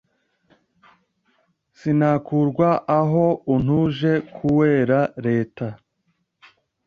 Sinakurwa aho untuje kuera reta